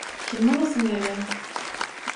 «Kim bolasyň gelýär?»